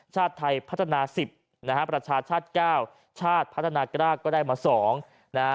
ชาติไทยพัฒนา๑๐ประชาชนชาติเก้าชาติพัฒนากรากก็ได้มา๒